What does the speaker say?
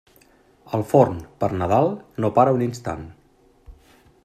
El forn, per Nadal, no para un instant.